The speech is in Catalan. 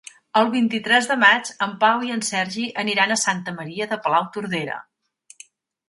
El vint-i-tres de maig en Pau i en Sergi aniran a Santa Maria de Palautordera.